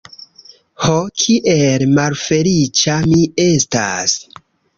Ho kiel malfeliĉa mi estas!